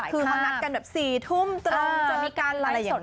คือเขานัดกันแบบ๔ทุ่มตรงเจอกันอะไรอย่างเงี้ย